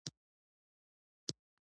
دوه ډوله خوږې شته: طبیعي او مصنوعي.